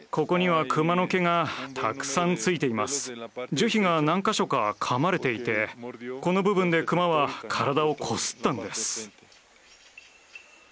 樹皮が何か所か噛まれていてこの部分でクマは体をこすったんです。